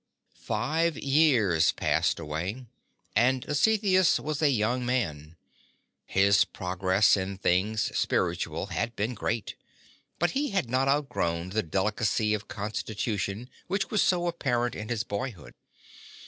Five years passed away, and Dositheus was a young man. His progress in things spiritual had been great, but he had not outgrown that delicacy of constitution which was so apparent in his boyhood.